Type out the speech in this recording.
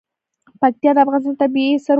پکتیا د افغانستان طبعي ثروت دی.